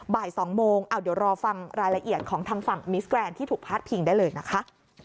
บ่าย๒โมงเดี๋ยวรอฟังรายละเอียดของทางฝั่งมิสแกรนด์ที่ถูกพาดพิงได้เลยนะคะ